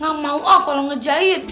gak mau ah kalo ngejahit